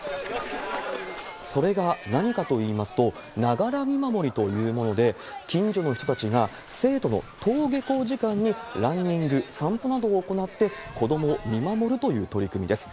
それが何かといいますと、ながら見守りというもので、近所の人たちが、生徒の登下校時間にランニング、散歩などを行って、子どもを見守るという取り組みです。